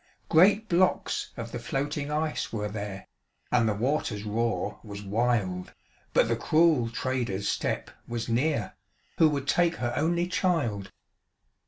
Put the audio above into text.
Great blocks of the floating ice were there, And the water's roar was wild, But the cruel trader's step was near, Who would take her only child.